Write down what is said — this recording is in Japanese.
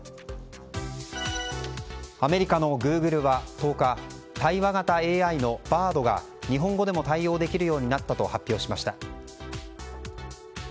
アメリカのグーグルは１０日対話型ＡＩのＢａｒｄが日本語でも対応できるようになったと発表しました。